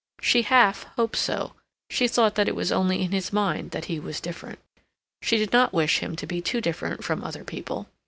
She half hoped so; she thought that it was only in his mind that he was different. She did not wish him to be too different from other people.